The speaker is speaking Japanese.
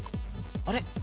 あれ？